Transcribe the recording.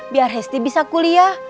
biar hesti bisa kuliah